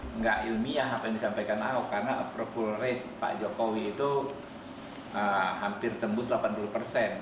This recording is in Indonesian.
tidak ilmiah apa yang disampaikan ahok karena approval rate pak jokowi itu hampir tembus delapan puluh persen